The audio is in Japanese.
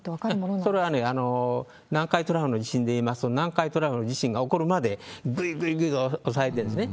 それはね、南海トラフの地震でいいますと、南海トラフの地震が起こるまでぐいぐいぐいぐい押さえてんですね。